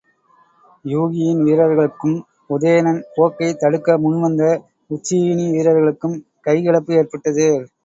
யூகியின் வீரர்களுக்கும் உதயணன் போக்கைத் தடுக்க முன்வந்த உச்சியினி வீரர்களுக்கும் கைகலப்பு ஏற்பட்டது.